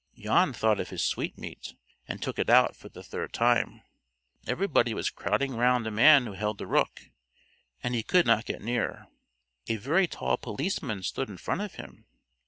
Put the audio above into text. Jan thought of his sweetmeat, and took it out for the third time. Everybody was crowding round the man who held the rook, and he could not get near. A very tall policeman stood in front of him.